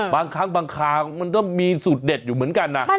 บางครั้งบางคราวมันก็มีสูตรเด็ดอยู่เหมือนกันนะ